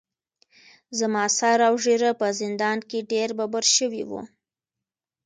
زما سر اوږېره په زندان کې ډیر ببر شوي وو.